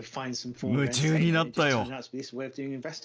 夢中になったよ。